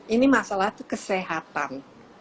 ini masalah itu kesehatan